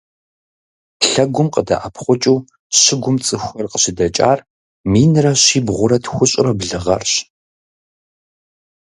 Лъэгум къыдэӏэпхъукӏыу щыгум цӏыхухэр къыщыдэкӏар минрэ щибгъурэ тхущӏрэ блы гъэрщ.